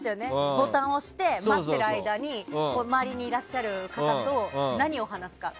ボタンを押して待ってる間に周りにいらっしゃる方と何を話すか。